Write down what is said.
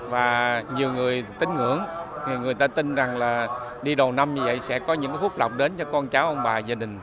vì vậy sẽ có những phút lọc đến cho con cháu ông bà gia đình